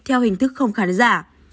theo hình thức không khán giả